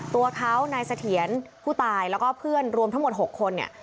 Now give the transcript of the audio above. ตัวเขานายเสถียรผู้ตายแล้วก็เพื่อนรวมทั้งหมด๖คนเนี่ย